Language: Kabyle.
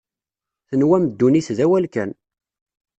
Tenwam ddunit d awal kan.